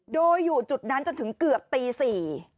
โดยอยู่จุดนั้นจนถึงเกือบตีสี่